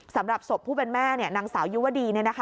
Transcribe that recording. สำหรับศพผู้เป็นแม่นางสาวยุวดี